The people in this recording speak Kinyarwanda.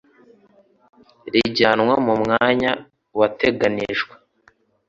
rijyanwa mu mwanya wateganijwe,